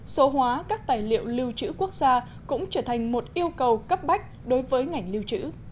số hóa các tài liệu lưu trữ quốc gia cũng trở thành một yêu cầu cấp bách đối với ngành lưu trữ